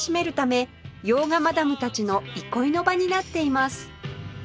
用賀マダムたちの憩いの場になっています